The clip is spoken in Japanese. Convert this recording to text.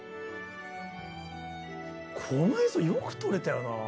この映像よく撮れたよな。